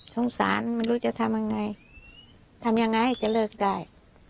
สารไม่รู้จะทำยังไงทำยังไงจะเลิกได้